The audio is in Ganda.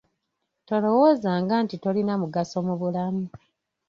Tolowoozanga nti tolina mugaso mu bulamu.